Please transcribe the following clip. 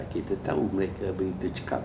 kita tahu mereka begitu cekat